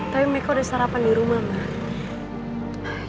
tapi meka udah sarapan di rumah mah